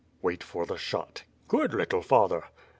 "Wait for the shot." "Good! little father!"